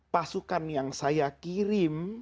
pasukan yang saya kirim